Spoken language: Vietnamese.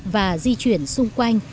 và di chuyển xung quanh